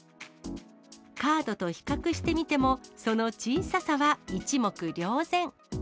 カードと比較してみても、その小ささは一目瞭然。